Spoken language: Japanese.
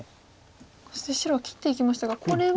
そして白は切っていきましたがこれは。